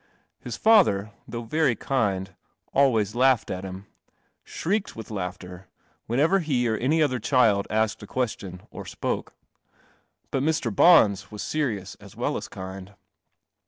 I lis rather, thou very kind, always laughed at him — shrid with laughter whenever he or any other child asked a question or spoke. Hut Mr. 11mm was serious a well as kind.